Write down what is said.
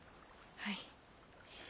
はい。